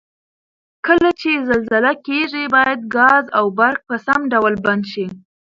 کله چې زلزله کیږي باید ګاز او برق په سم ډول بند شي؟